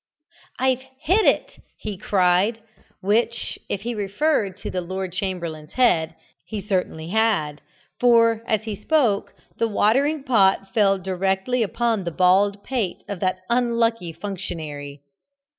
"I've hit it!" he cried which, if he referred to the Lord Chamberlain's head, he certainly had, for, as he spoke, the watering pot fell directly upon the bald pate of that unlucky functionary.